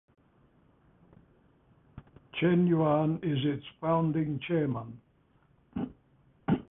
Chen Yuan is its founding chairman.